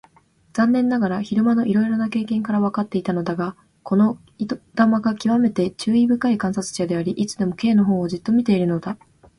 残念ながら昼間のいろいろな経験からわかっていたのだが、この糸玉がきわめて注意深い観察者であり、いつでも Ｋ のほうをじっと見ているのだ。